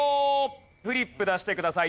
フリップ出してください。